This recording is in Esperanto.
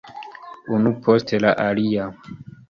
Unu post la alia.